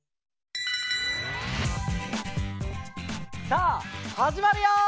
さあはじまるよ！